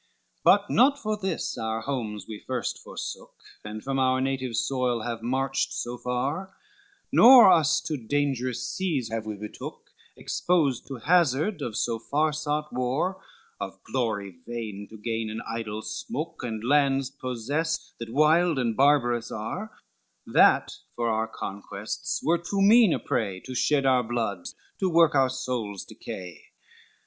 XXII "But not for this our homes we first forsook, And from our native soil have marched so far: Nor us to dangerous seas have we betook, Exposed to hazard of so far sought war, Of glory vain to gain an idle smook, And lands possess that wild and barbarous are: That for our conquests were too mean a prey, To shed our bloods, to work our souls' decay.